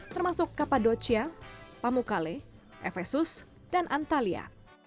termasuk kapadocia pamukkale efesus dan antalya